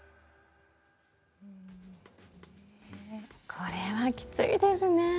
これは、きついですね。